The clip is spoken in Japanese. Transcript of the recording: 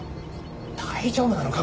大丈夫なのか？